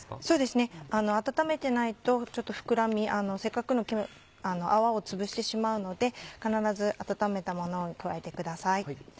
そうですね温めてないとせっかくの泡をつぶしてしまうので必ず温めたものを加えてください。